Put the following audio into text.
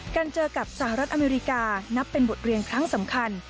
เจอกับสหรัฐอเมริกานับเป็นบทเรียนครั้งสำคัญ